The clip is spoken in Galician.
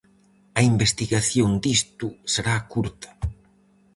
A investigación disto será curta.